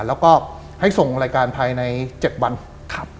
แล้วก็ให้ส่งรายการภายใน๗วันครับ